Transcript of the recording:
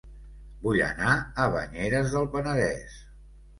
Vull anar a Banyeres del Penedès